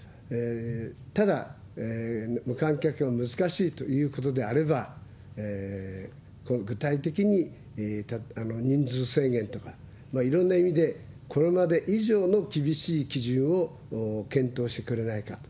ただ、無観客は難しいということであれば、具体的に人数制限とか、いろんな意味でこれまで以上の厳しい基準を検討してくれないかと。